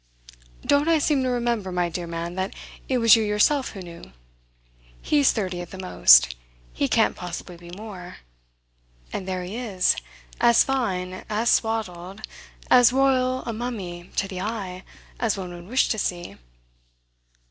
"Don't I seem to remember, my dear man, that it was you yourself who knew? He's thirty at the most. He can't possibly be more. And there he is: as fine, as swaddled, as royal a mummy, to the eye, as one would wish to see.